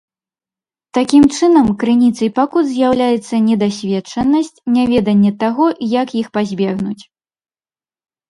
Такім чынам, крыніцай пакут з'яўляецца недасведчанасць, няведанне таго, як іх пазбегнуць.